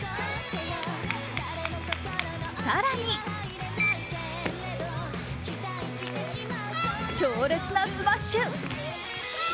更に強烈なスマッシュ。